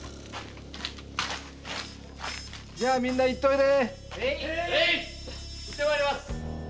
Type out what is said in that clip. じゃみんな行っといで。